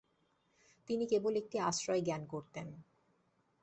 তিনি কেবল একটি আশ্রয় জ্ঞান করতেন।